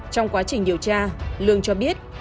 trong quá trình điều tra lương cho biết